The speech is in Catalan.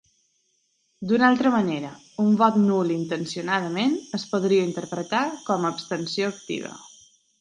D'una altra manera, un vot nul intencionadament es podria interpretar com a abstenció activa.